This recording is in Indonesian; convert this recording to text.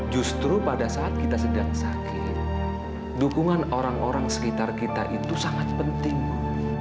justru pada saat kita sedang sakit dukungan orang orang sekitar kita itu sangat penting bu